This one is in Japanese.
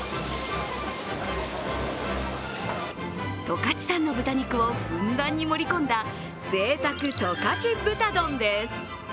十勝産の豚肉をふんだんに盛り込んだ贅沢十勝豚丼です。